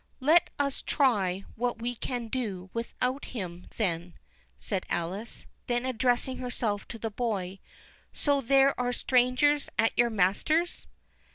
"Let us try what we can do without him then," said Alice. Then addressing herself to the boy,—"So there are strangers at your master's?"